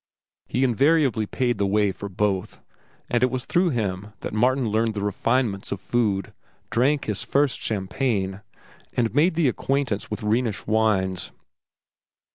He invariably paid the way for both, and it was through him that Martin learned the refinements of food, drank his first champagne, and made acquaintance with Rhenish wines.